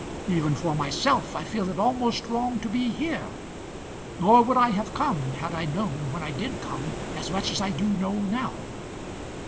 Even for myself, I feel it almost wrong to be here; nor would I have come had I known when I did come as much as I do know now."